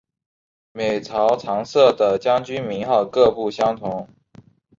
每朝常设的将军名号各不相同。